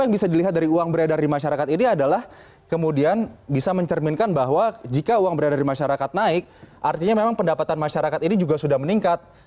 yang bisa dilihat dari uang beredar di masyarakat ini adalah kemudian bisa mencerminkan bahwa jika uang beredar di masyarakat naik artinya memang pendapatan masyarakat ini juga sudah meningkat